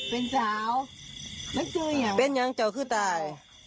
เป็นเจ้ามันเจออย่างเป็นอย่างเจ้าคือตาย